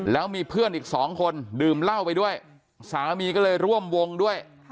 แล้วมีเพื่อนอีกสองคนดื่มเหล้าไปด้วยสามีก็เลยร่วมวงด้วย